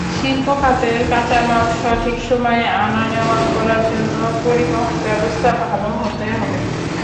শিল্প খাতের কাঁচামাল সঠিক সময়ে আনা-নেওয়া করার জন্য পরিবহনব্যবস্থা ভালো হতে হবে।